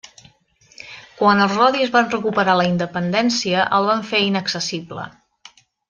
Quan els rodis van recuperar la independència, el van fer inaccessible.